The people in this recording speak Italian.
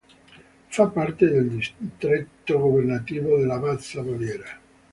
Fa parte del distretto governativo della Bassa Baviera